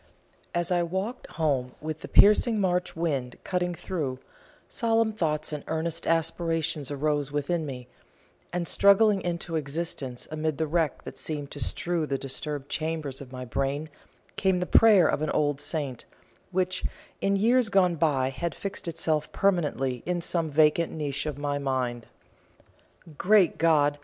As I walked home, with the piercing March wind cutting me through, solemn thoughts and earnest aspirations arose within me, and, struggling into existence amid the wreck that seemed to strew the disturbed chambers of my brain, came the prayer of an old saint, which, in years gone by, had fixed itself permanently in some vacant niche of my mind: "Great God!